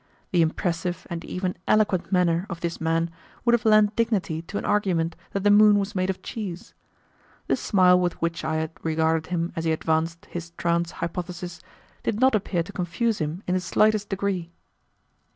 The impressive and even eloquent manner of this man would have lent dignity to an argument that the moon was made of cheese. The smile with which I had regarded him as he advanced his trance hypothesis did not appear to confuse him in the slightest degree.